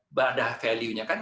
tetap berada value nya kan